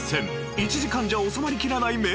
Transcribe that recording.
１時間じゃ収まりきらない名場面の数々が。